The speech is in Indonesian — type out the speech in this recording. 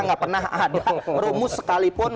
nggak pernah ada rumus sekalipun